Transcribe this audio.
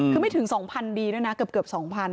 คือไม่ถึง๒๐๐ดีด้วยนะเกือบ๒๐๐๐